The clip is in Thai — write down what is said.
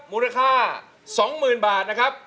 มูลค่า๒๐๐๐บาทนะครับ